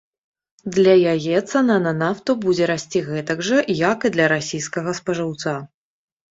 Для яе цана на нафту будзе расці гэтак жа, як і для расійскага спажыўца.